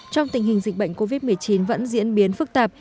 trong tình hình dịch bệnh covid một mươi chín vẫn diễn biến phức tạp